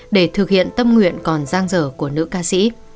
để thực hiện tâm nguyện còn giang dở của nữ ca sĩ